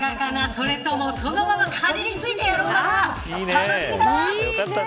それともそのままかじりついてやろうかな。